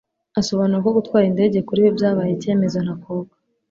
Asobanura ko gutwara indege kuri we byabaye icyemezo ntakuka